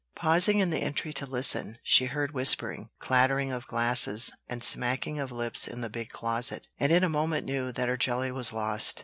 Pausing in the entry to listen, she heard whispering, clattering of glasses, and smacking of lips in the big closet; and in a moment knew that her jelly was lost.